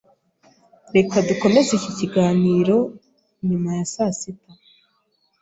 Reka dukomeze iki kiganiro nyuma ya sasita.